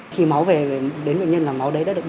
khi máu về đến bệnh nhân là máu đấy rất là đẹp